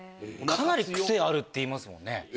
かなり癖あるっていいますもんね。